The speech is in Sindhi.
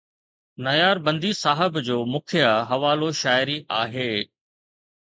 نياربندي صاحب جو مکيه حوالو شاعري آهي